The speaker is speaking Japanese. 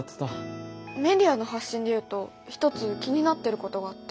メディアの発信で言うと一つ気になってることがあって。